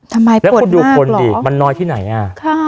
ทำไมป่นมากเหรอค่ะแล้วคุณดูคนดิมันน้อยที่ไหนอ่ะ